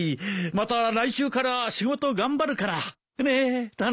また来週から仕事頑張るからねっ頼むよ。